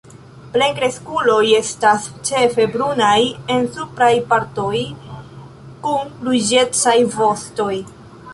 Plenkreskuloj estas ĉefe brunaj en supraj partoj, kun ruĝecaj vostoj.